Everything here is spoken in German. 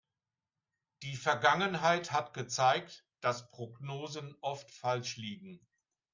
Die Vergangenheit hat gezeigt, dass Prognosen oft falsch liegen.